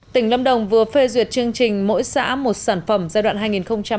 tỉnh lâm đồng vừa phê duyệt chương trình mỗi xã một sản phẩm giai đoạn hai nghìn một mươi sáu hai nghìn hai mươi